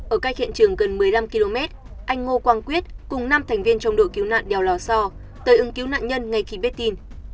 ở cách hiện trường gần một mươi năm km anh ngô quang quyết cùng năm thành viên trong đội cứu nạn đèo lò so tới ưng cứu nạn nhân ngay khi biết tin